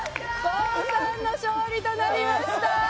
ゴンさんの勝利となりました。